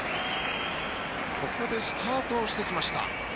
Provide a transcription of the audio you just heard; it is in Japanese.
ここでスタートをしてきました。